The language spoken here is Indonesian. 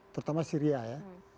pertama syria ya